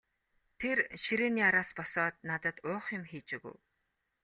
Тэр ширээний араас босоод надад уух юм хийж өгөв.